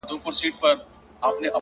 د پوهې تنده انسان مخته بیايي